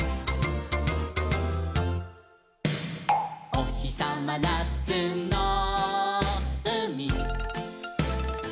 「おひさまなつのうみ」